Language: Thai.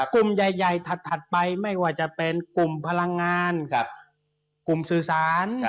กลุ่มใหญ่ถัดไปไม่ว่าจะเป็นกลุ่มพลังงานกลุ่มสื่อสาร